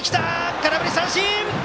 空振り三振！